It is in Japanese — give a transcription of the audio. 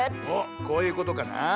おっこういうことかな。